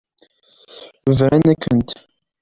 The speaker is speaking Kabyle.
Bran-akent.